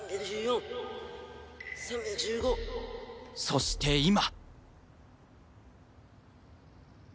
そして今